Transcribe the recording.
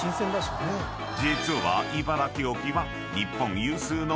［実は茨城沖は］